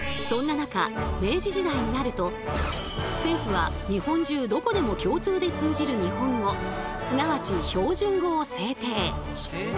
そんな中明治時代になると政府は日本中どこでも共通で通じる日本語すなわち「標準語」を制定。